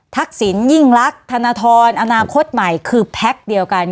ทักษิณยิ่งรักธนทรอนาคตใหม่คือแพ็คเดียวกัน